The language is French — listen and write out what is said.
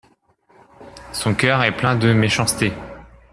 Son cœur est plein de méchanceté.